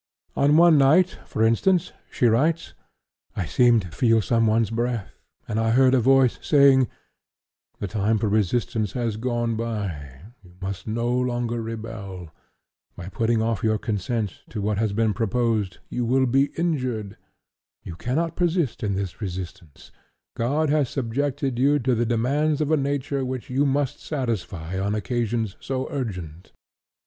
On one night, for instance, she writes: "I seemed to feel someone's breath, and I heard a voice saying: 'The time for resistance has gone by, you must no longer rebel; by putting off your consent to what has been proposed you will be injured; you cannot persist in this resistance; God has subjected you to the demands of a nature which you must satisfy on occasions so urgent.'